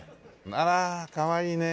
あらかわいいね。